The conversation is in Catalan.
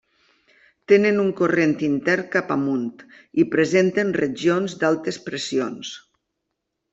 Tenen un corrent intern cap amunt i presenten regions d'altes pressions.